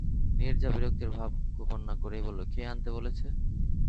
নীরজা বিরক্তির ভাব গোপন না করেই বললে, কে আনতে বলেছে।